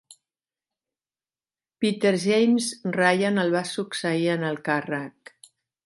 Peter James Ryan el va succeir en el càrrec.